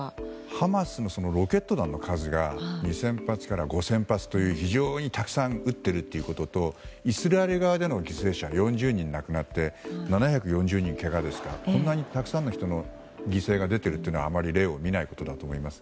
ハマスのロケット弾の数が２０００発から５０００発という非常にたくさん撃っているということとイスラエル側の犠牲者４０人が亡くなって７４０人がけがですからこんなにたくさんの人の犠牲が出ているのは例を見ないと思います。